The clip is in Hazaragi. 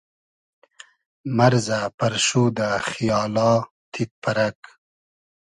مئرزۂ پئرشودۂ خیالا تید پئرئگ